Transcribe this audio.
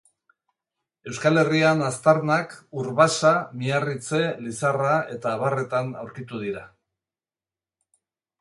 Euskal Herrian aztarnak Urbasa, Miarritze, Lizarra, eta abarretan aurkitu dira.